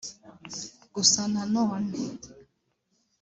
Gusa nanone